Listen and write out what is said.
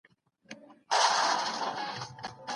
هغه ډېر اتڼ چي موږ یې وړاندي کوو، ښکلی دی.